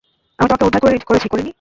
আমি তোমাকে উদ্ধার করেছি, করিনি?